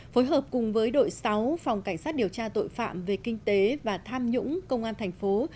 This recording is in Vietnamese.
phối hợp cùng với đội sáu phòng cảnh sát điều tra tội phạm về kinh tế và tham nhũng công an thành phố